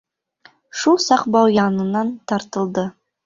Шул саҡ бау яңынан тартылды.